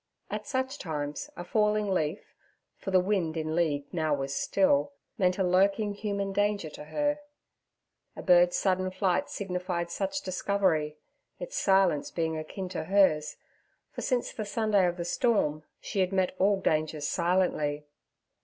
At such times a falling leaf (for the wind in league now was still) meant a lurking human danger to her. A bird's sudden flight signified such discovery, its silence being akin to hers, for since the Sunday of the storm she had met all dangers silently.